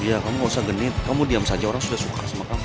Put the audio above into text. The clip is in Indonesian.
iya kamu nggak usah genit kamu diam saja orang sudah suka sama kamu